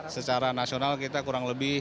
secara nasional kita kurang lebih